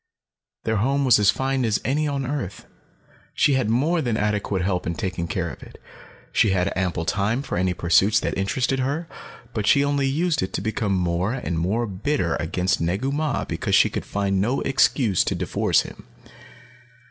Their home was as fine as any on earth. She had more than adequate help in taking care of it. She had ample time for any pursuits that interested her. But she used it only to become more and more bitter against Negu Mah because she could find no excuse to divorce him.